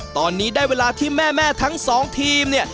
ตอนนี้ได้เวลาที่แม่ทั้งสองทีมเนี่ย